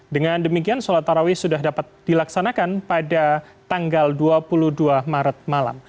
dengan demikian sholat tarawih sudah dapat dilaksanakan pada tanggal dua puluh dua maret malam